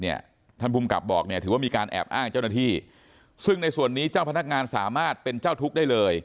ท่านภูมิกับบอกเนี่ยถือว่ามีการแอบอ้างเจ้าหน้าที่ซึ่งในส่วนนี้เจ้าพนักงานสามารถเป็นเจ้าทุกข์ได้เลย